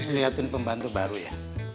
liatin pembantu baru ya